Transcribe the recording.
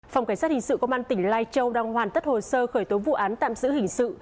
phòng cảnh sát hình sự công an tỉnh lai châu đang hoàn tất hồ sơ khởi tố vụ án tạm giữ hình sự